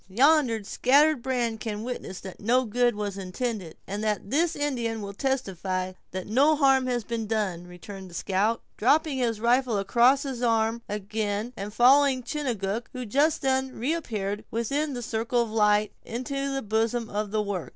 "Yonder scattered brand can witness that no good was intended, and this Indian will testify that no harm has been done," returned the scout, dropping his rifle across his arm again, and following Chingachgook, who just then reappeared within the circle of light, into the bosom of the work.